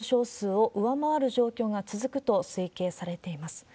１０月上旬まで病床数を上回る状況が続くと推計されています。